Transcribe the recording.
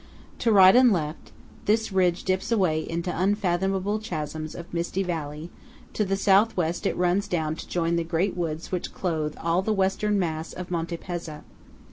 To right and left, this ridge dips away into unfathomable chasms of misty valley; to the South West it runs down to join the great woods which clothe all the Western mass of Monte Pezza.